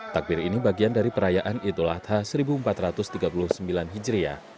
takbir ini bagian dari perayaan idul adha seribu empat ratus tiga puluh sembilan hijriah